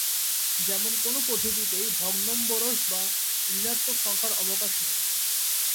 যেমন কোন পদ্ধতিতেই ভগ্নম্বরশ বা ঋণাত্মক সংখ্যার অবকাশ নেই।